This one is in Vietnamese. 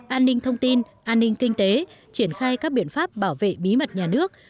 an ninh thông tin an ninh kinh tế triển khai các biện pháp bảo vệ bí mật nhà nước